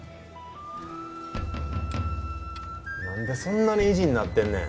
なんでそんなに意地になってんねん。